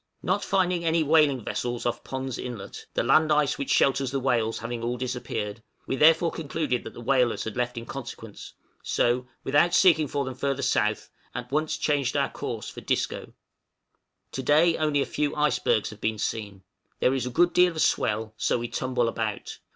Not finding any whaling vessels off Pond's Inlet, the land ice which shelters the whales having all disappeared, we therefore concluded that the whalers had left in consequence, so, without seeking for them further south, at once changed our course for Disco. To day only a few icebergs have been seen. There is a good deal of swell, so we tumble about.